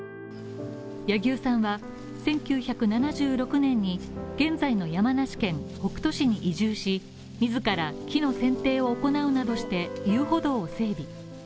柳生さんは１９７６年に現在の山梨県北杜市に移住し、自ら木の剪定を行うなどして遊歩道を整備。